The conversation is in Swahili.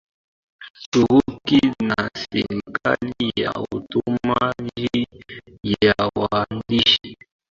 Uturuki na serikali ya Ottoman Njia ya waandishi